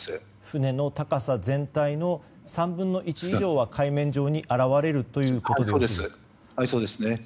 船の高さ全体の３分の１以上は海面上に現れるということですね。